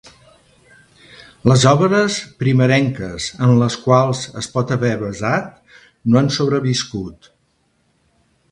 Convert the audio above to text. Les obres primerenques en les quals es pot haver basat no han sobreviscut.